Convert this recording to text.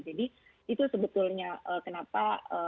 jadi itu sebetulnya kenapa